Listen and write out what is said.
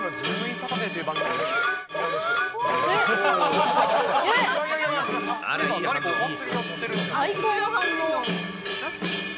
サタデーという番組なんですが。